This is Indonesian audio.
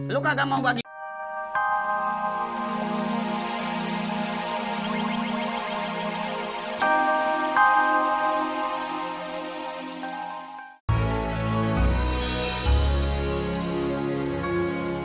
lu kagak mau buat ikan